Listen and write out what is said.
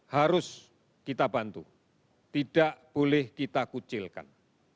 harus kita bantu tidak boleh kita kucilkan